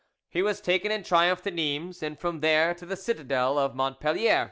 He was taken in triumph to Nimes, and from there to the citadel of Montpellier.